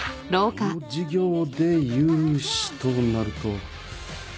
この事業で融資となると。